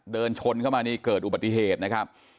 เดินชนเข้ามานี่เกิดอุบัติเหตุนะครับ